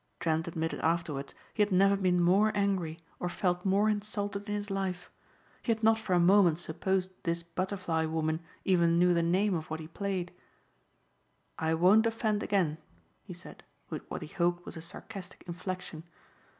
Trent admitted afterwards he had never been more angry or felt more insulted in his life. He had not for a moment supposed this butterfly woman even knew the name of what he played. "I won't offend again," he said with what he hoped was a sarcastic inflection.